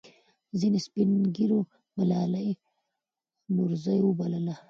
ځینې سپین ږیرو ملالۍ نورزۍ وبلله.